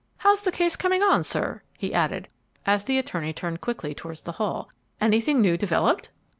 How's the case coming on, sir?" he added, as the attorney turned quickly towards the hall. "Anything new developed?"